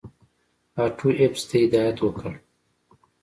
آټو ایفز ته هدایت وکړ.